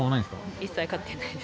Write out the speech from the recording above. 一切買ってないです。